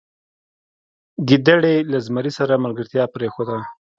ګیدړې له زمري سره ملګرتیا پریښوده.